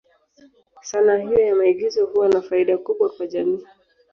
Sanaa hiyo ya maigizo huwa na faida kubwa kwa jamii.